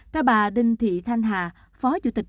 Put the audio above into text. các bà đinh thị thanh hà phó chủ tịch